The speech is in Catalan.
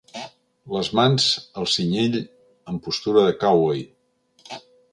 Les mans al cinyell en postura de cowboy.